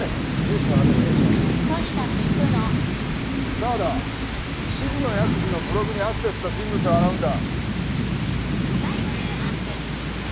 多和田静野保志のブログにアクセスした人物を洗うんだ！